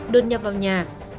đột nhập vào nhà